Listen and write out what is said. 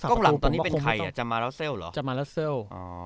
กองหลังตอนนี้เป็นใครอ่ะจำมาแล้วเซลล์เหรอจำมาแล้วเซลล์